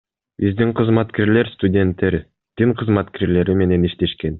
Биздин кызматкерлер студенттер, дин кызматкерлери менен иштешкен.